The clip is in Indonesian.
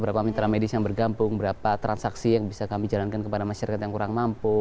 berapa transaksi yang bisa kami jalankan kepada masyarakat yang kurang mampu